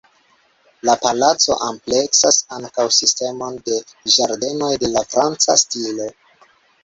La palaco ampleksas ankaŭ sistemon de ĝardenoj de la franca stilo.